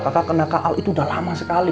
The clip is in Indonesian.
kakak kena kak al itu udah lama sekali